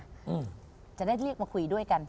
อืมจะได้เรียกมาคุยด้วยกัน